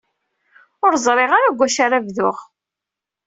Ur ẓṛiɣ ara g acu ara bduɣ.